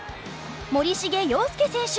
森重陽介選手。